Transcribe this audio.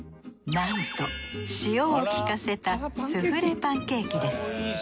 なんと塩を効かせたスフレパンケーキです。